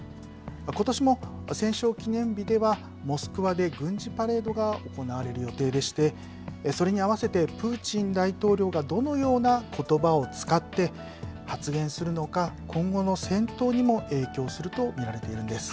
ことしも戦勝記念日では、モスクワで軍事パレートが行われる予定でして、それに合わせて、プーチン大統領がどのようなことばを使って発言するのか、今後の戦闘にも影響すると見られているんです。